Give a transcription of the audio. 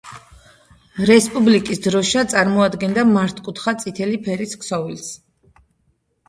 რესპუბლიკის დროშა წარმოადგენდა მართკუთხა წითელი ფერის ქსოვილს.